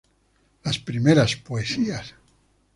Las primeras poesías".